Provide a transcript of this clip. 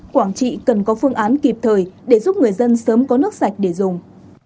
quảng trị cần có phương án kịp thời để giúp người dân sớm có nước sạch để dùng